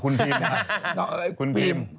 คุณพิมพ์